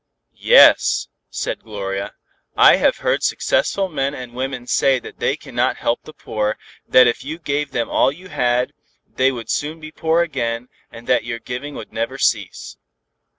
"Yes," said Gloria, "I have heard successful men and women say that they cannot help the poor, that if you gave them all you had, they would soon be poor again, and that your giving would never cease."